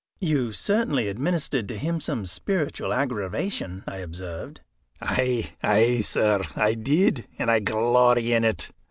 "You certainly administered to him some spiritual aggravation," I observed. "Ay, ay, sir, I did. And I glory in it."